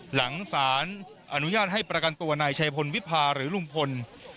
หลังสารอนุญาตให้ประกันตัวนายชายพลวิพาหรือลุงพล